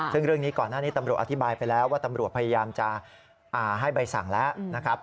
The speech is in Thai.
ซึ่งเรื่องนี้ก่อนหน้านี้ตำรวจอธิบายไปแล้วว่าตำรวจพยายามจะให้ใบสั่งแล้วนะครับ